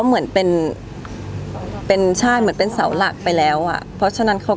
เหมือนเก็บอาการความเสียใจกันไหม